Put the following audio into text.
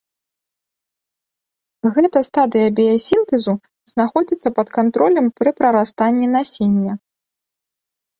Гэта стадыя біясінтэзу знаходзіцца пад кантролем пры прарастанні насення.